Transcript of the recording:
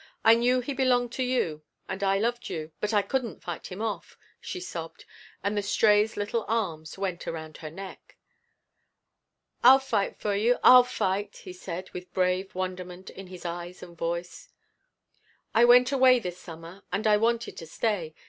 I knew he belonged to you and I loved you, but I couldn't fight him off," she sobbed and the Stray's little arms went around her neck. "I'll fight fer you I'll fight," he said, with brave, wonderment in his eyes and voice. "I went away this summer and I wanted to stay. Mr.